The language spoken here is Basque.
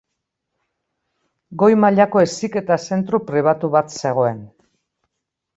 Goi mailako heziketa zentro pribatu bat zegoen.